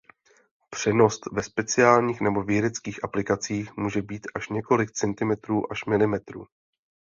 Přesnost ve speciálních nebo vědeckých aplikacích může být až několik centimetrů až milimetrů.